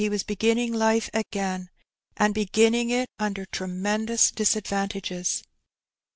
197 beginning life again, and beginning it nnder tremendous dis advantages.